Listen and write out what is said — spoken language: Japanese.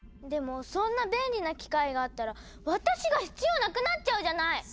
でもそんな便利な機械があったら私が必要なくなっちゃうじゃない！